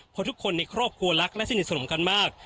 เพราะทุกคนในครอบครัวรักและสนิทสนมกันมาก